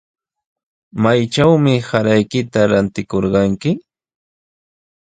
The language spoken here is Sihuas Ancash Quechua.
¿Maytrawmi saraykita ratikurqayki?